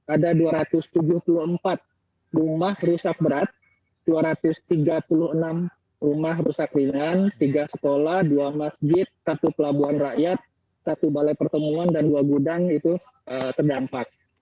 ada dua ratus tujuh puluh empat rumah rusak berat dua ratus tiga puluh enam rumah rusak ringan tiga sekolah dua masjid satu pelabuhan rakyat satu balai pertemuan dan dua gudang itu terdampak